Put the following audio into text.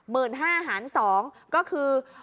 ๑๕๐๐๐บาทหาร๒ก็คือ